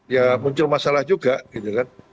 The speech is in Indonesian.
ya muncul masalah juga gitu kan